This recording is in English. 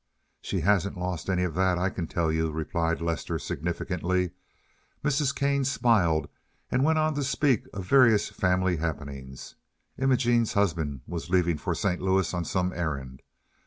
"She hasn't lost any of that, I can tell you," replied Lester significantly. Mrs. Kane smiled and went on to speak of various family happenings. Imogene's husband was leaving for St. Louis on some errand.